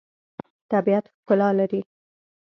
طبیعت ښکلا لري.